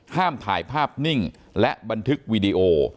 ห้ามถ่ายภาพนิ่งและบันทึกวีดีโอ